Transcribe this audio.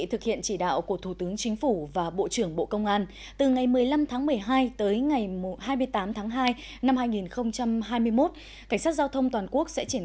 từ ngày một mươi năm tháng một mươi hai tới ngày hai mươi tám tháng hai năm hai nghìn hai mươi một cảnh sát giao thông toàn quốc sẽ triển